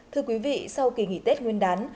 thưa quý vị sau kỳ nghỉ tết nguyên đán